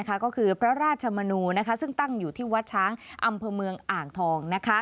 ก็คือพระราชมนูซึ่งตั้งอยู่ที่วัดช้างอำเภอเมืองอ่างทอง